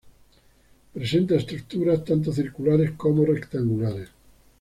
Presenta estructuras tanto circulares como rectangulares.